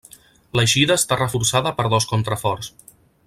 L'eixida està reforçada per dos contraforts.